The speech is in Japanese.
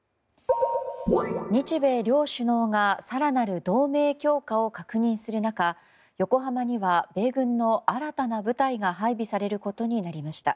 日米両首脳が更なる同盟強化を確認する中横浜には米軍の新たな部隊が配備されることになりました。